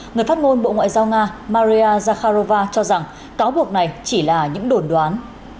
người phát ngôn bộ ngoại giao nga maria zakharova cho rằng cáo buộc này chỉ là những đồn đoán